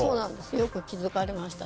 よく気付かれました。